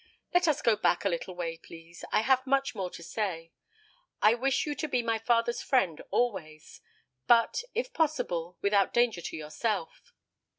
"Let us go back a little way, please; I have much more to say. I wish you to be my father's friend always, but, if possible, without danger to yourself.